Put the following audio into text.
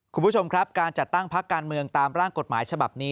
คุณผู้ชมครับการจัดตั้งพักการเมืองตามร่างกฎหมายฉบับนี้